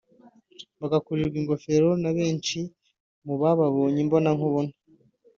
bagakurirwa ingofero na benshi mu bababonye imbonankubone